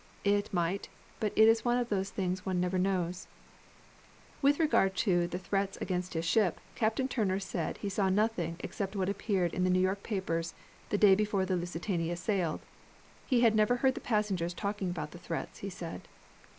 "It might, but it is one of those things one never knows." With regard to the threats against his ship, Captain Turner said he saw nothing except what appeared in the New York papers the day before the Lusitania sailed. He had never heard the passengers talking about the threats, he said.